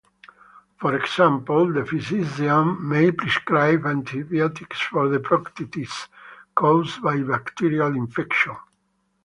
For example, the physician may prescribe antibiotics for proctitis caused by bacterial infection.